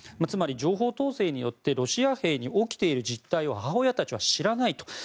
つまり情報統制によってロシア兵に起きている実態を母親たちは知らないと。